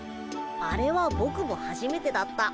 あれはボクもはじめてだった。